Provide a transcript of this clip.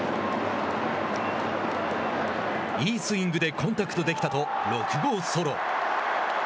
いいスイングでコンタクトできたと６号ソロ。